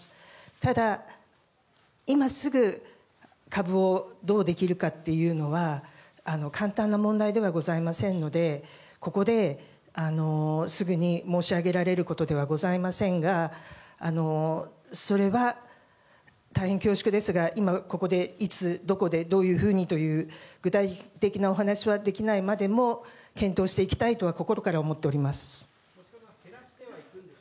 ただ、今すぐ株をどうできるかっていうのは簡単な問題ではございませんのでここですぐに申し上げられることではございませんがそれは大変恐縮ですが今ここで、いつどこでどういうふうにという具体的なお話はできないまでも検討していきたいとは心から思っております。